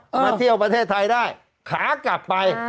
มาเที่ยวประเทศไทยได้ขากลับไป